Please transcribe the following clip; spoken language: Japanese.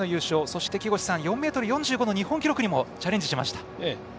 そして、４ｍ４５の日本記録にもチャレンジしました。